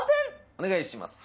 お願いします。